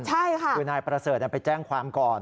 ใช่ค่ะคือนายประเสริฐไปแจ้งความก่อน